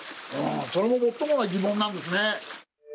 それももっともな疑問なんですね。